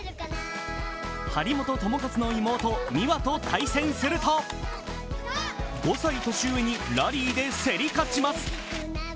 張本智和の妹、美和と対戦すると５歳年上にラリーで競り勝ちます。